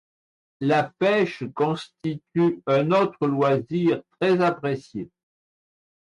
La pêche constitue un autre loisir très apprécié.